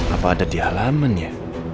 apa ada di halaman ya